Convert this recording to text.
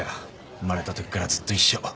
生まれたときからずっと一緒。